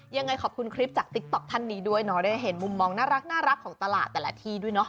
ยังไงขอบคุณคลิปจากทันดีด้วยนะได้เห็นมุมมองน่ารักน่ารักของตลาดแต่ละทีด้วยเนอะ